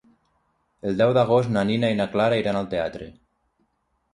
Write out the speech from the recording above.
El deu d'agost na Nina i na Clara iran al teatre.